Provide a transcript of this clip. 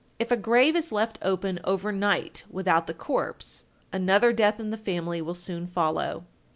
If a grave is left open over night without the corpse, another death in the family will soon follow.